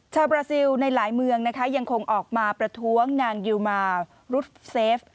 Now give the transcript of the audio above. บราซิลในหลายเมืองนะคะยังคงออกมาประท้วงนางยิวมารุดเซฟ